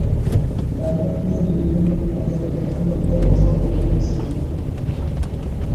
ডানপ্রান্ত দিয়ে দুই ডিফেন্ডারকে কাটিয়ে দারুণ দক্ষতায় বক্সে ঢুকে গোল করেন সিমোনে।